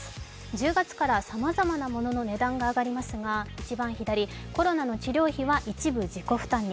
１０月からさまざまなものの値段が上がりますが一番左、コロナの治療費は一部自己負担に。